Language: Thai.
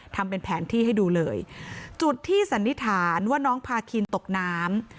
ทำเป็นแผนที่ให้ดูเลยจุดที่สันนิษฐานว่าน้องพาคินตกน้ำ